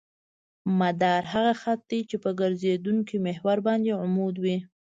مدار هغه خط دی چې په ګرځېدونکي محور باندې عمود وي